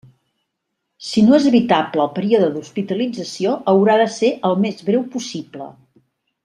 Si no és evitable, el període d'hospitalització haurà de ser el més breu possible.